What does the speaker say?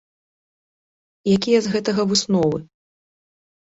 Якія з гэтага высновы?